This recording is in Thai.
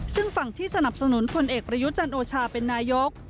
ซึ่งฝั่งที่สนับสนุนพลเอกประยุจันโอชาเป็นนายก